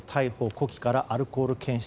呼気からアルコール検出。